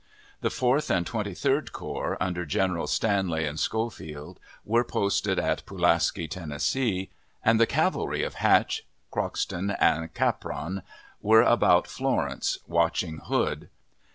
The Fourth and Twenty third Corps, under Generals Stanley and Schofield were posted at Pulaski, Tennessee, and the cavalry of Hatch, Croxton, and Capron, were about Florence, watching Hood.